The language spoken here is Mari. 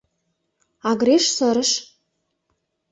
А Гриш сырыш: